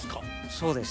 そうです。